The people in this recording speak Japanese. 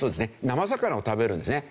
生魚を食べるんですね。